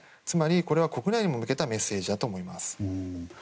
つまり、これは国内に向けたメッセージだと思います。